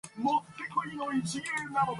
This property is called functional completeness.